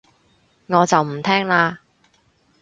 我就唔聽喇